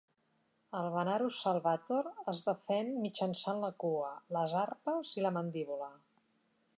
El Varanus salvator es defèn mitjançant la cua, les arpes i la mandíbula.